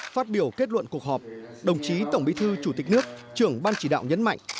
phát biểu kết luận cuộc họp đồng chí tổng bí thư chủ tịch nước trưởng ban chỉ đạo nhấn mạnh